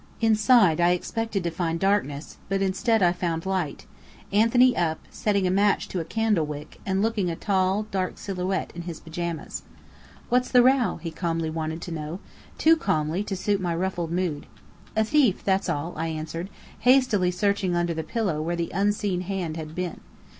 Inside, I expected to find darkness, but instead I found light; Anthony up, setting a match to a candle wick, and looking a tall, dark silhouette in his pyjamas. "What's the row?" he calmly wanted to know too calmly to suit my ruffled mood. "A thief, that's all," I answered, hastily searching under the pillow where the unseen hand had been.